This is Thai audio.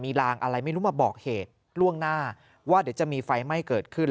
ลางอะไรไม่รู้มาบอกเหตุล่วงหน้าว่าเดี๋ยวจะมีไฟไหม้เกิดขึ้น